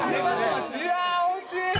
いやあ惜しい！